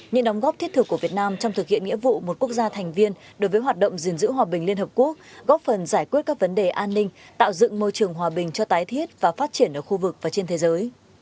những đóng góp thiết thực của việt nam trong thực hiện nghĩa vụ một quốc gia thành viên đối với hoạt động gìn giữ hòa bình liên hợp quốc góp phần giải quyết các vấn đề an ninh tạo dựng môi trường hòa bình cho tái thiết và phát triển ở khu vực và trên thế giới